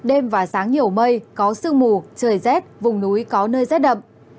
đêm và sáng nhiều mây có sương mù trời rét vùng núi có nơi rét đậm